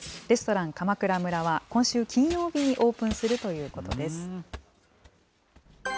レストランかまくら村は、今週金曜日にオープンするということです。